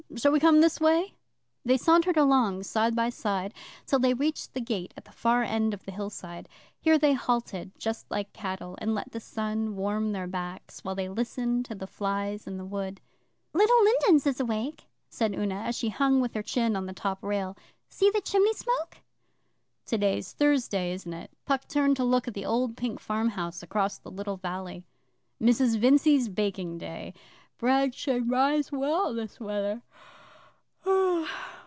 Shall we come this way?' They sauntered along side by side till they reached the gate at the far end of the hillside. Here they halted just like cattle, and let the sun warm their backs while they listened to the flies in the wood. 'Little Lindens is awake,' said Una, as she hung with her chin on the top rail. 'See the chimney smoke?' 'Today's Thursday, isn't it?' Puck turned to look at the old pink farmhouse across the little valley. 'Mrs Vincey's baking day. Bread should rise well this weather.